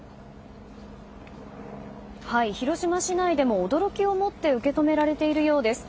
広島市内でも驚きを持って受け止められているようです。